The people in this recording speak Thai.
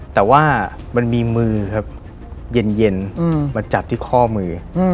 แต่ว่ามันมีมือครับเย็นมาจับที่ข้อมือ